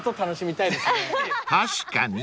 ［確かに］